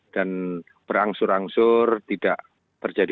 dan berangsur angsur tidak terjadi